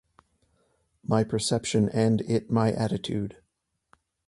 My perception and it my attitude.